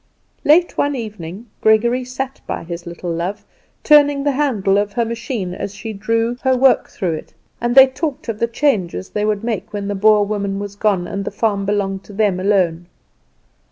Late one evening, Gregory sat by his little love, turning the handle of her machine as she drew her work through it, and they talked of the changes they would make when the Boer woman was gone, and the farm belonged to them alone.